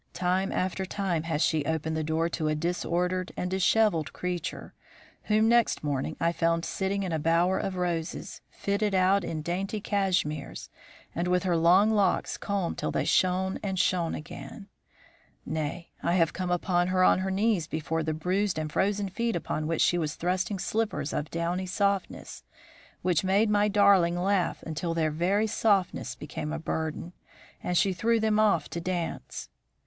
Time after time has she opened the door to a disordered and dishevelled creature, whom next morning I found sitting in a bower of roses, fitted out in dainty cashmeres, and with her long locks combed till they shone and shone again. Nay, I have come upon her on her knees before the bruised and frozen feet upon which she was thrusting slippers of downy softness, which made my darling laugh until their very softness became a burden, and she threw them off to dance.